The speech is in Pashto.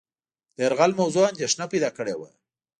د یرغل موضوع اندېښنه پیدا کړې وه.